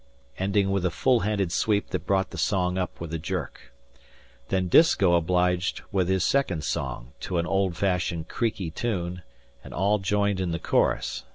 ending with a full handed sweep that brought the song up with a jerk. Then Disko obliged with his second song, to an old fashioned creaky tune, and all joined in the chorus.